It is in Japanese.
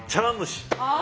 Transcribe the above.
あ！